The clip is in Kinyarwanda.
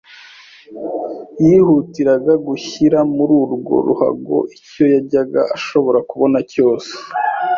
Yihutiraga gushyira muri urwo ruhago icyo yajyaga ashobora kubona cyose.